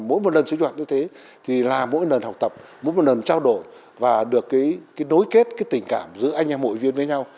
mỗi lần sinh hoạt như thế thì là mỗi lần học tập mỗi lần trao đổi và được nối kết tình cảm giữa anh em hội viên với nhau